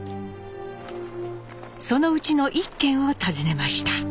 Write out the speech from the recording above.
そのうちの１軒を訪ねました。